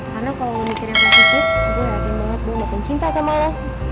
karena kalo lu mikir positif gue yakin banget gue bakal pencinta sama lu